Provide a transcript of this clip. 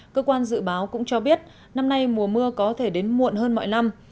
cơ quan dự báo cũng cho biết năm nay mùa mưa có thể đến muộn hơn mọi năm